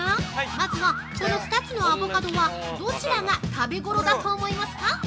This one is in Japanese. まずはこの２つのアボカドはどちらが食べごろだと思いますか。